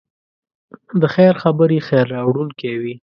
د خیر خبرې خیر راوړونکی وي.